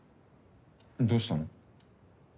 どうしたの？